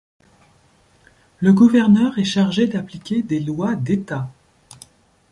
Le gouverneur est chargé d'appliquer des lois d'État.